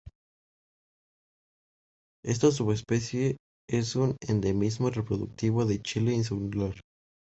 Esta subespecie es un endemismo reproductivo de Chile insular.